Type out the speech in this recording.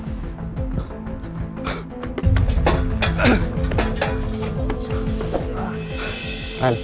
iya apa betul pak